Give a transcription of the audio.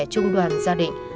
trung đoàn gia đình